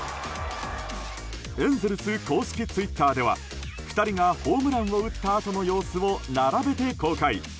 エンゼルス公式ツイッターでは２人がホームランを打ったあとの様子を並べて公開。